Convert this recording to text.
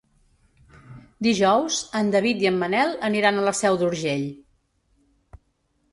Dijous en David i en Manel aniran a la Seu d'Urgell.